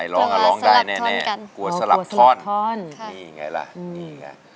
ไอ้ร้องอะร้องได้แน่แน่กลัวสลับทอนกลัวสลับทอนค่ะนี่ไงล่ะนี่ไง